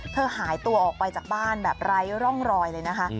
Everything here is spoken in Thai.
หายตัวออกไปจากบ้านแบบไร้ร่องรอยเลยนะคะ